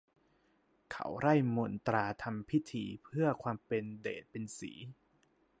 เขาร่ายมนต์ตราทำพิธี เพื่อความเป็นเดชเป็นศรี